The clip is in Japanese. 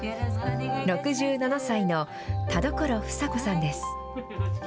６７歳の田所房子さんです。